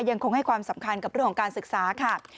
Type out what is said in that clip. ยังคงให้ความสำคัญกับเรื่องของการศึกษาค่ะ